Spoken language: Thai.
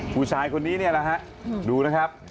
ผู้ชายคนนี้นี่แหละฮะดูนะครับ